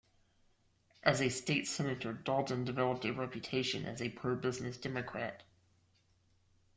As a State Senator, Dalton developed a reputation as a pro-business Democrat.